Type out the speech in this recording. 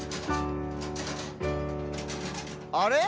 あれ？